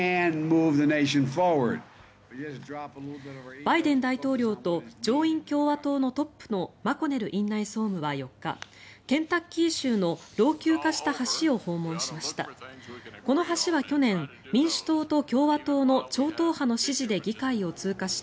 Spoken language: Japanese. バイデン大統領と上院共和党のトップのマコネル院内総務は４日ケンタッキー州の老朽化した橋を訪問しました。